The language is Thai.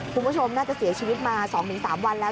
คุณผู้ชมน่าจะเสียชีวิตมา๒๓วันแล้ว